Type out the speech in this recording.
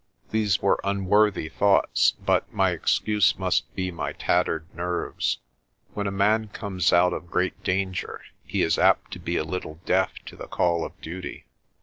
These were unworthy thoughts but my excuse must be my tattered nerves. When a man comes out of great danger, he is apt to be a little deaf to the call of duty.